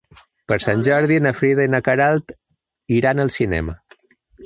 Per Sant Jordi na Frida i na Queralt iran al cinema.